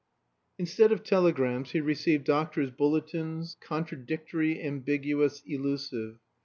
Instead of telegrams he received doctors' bulletins, contradictory, ambiguous, elusive.